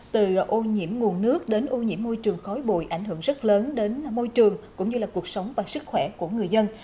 từ ô nhiễm nguồn nước đến ô nhiễm môi trường khói bụi ảnh hưởng rất lớn đến môi trường cũng như là cuộc sống và sức khỏe của người dân